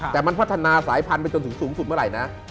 แต่มันพัฒนาสายพันธุไปจนถึงสูงสุดเมื่อไหร่นะ